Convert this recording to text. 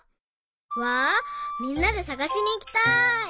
わあみんなでさがしにいきたい。